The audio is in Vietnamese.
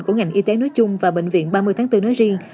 của ngành y tế nói chung và bệnh viện ba mươi tháng bốn nói riêng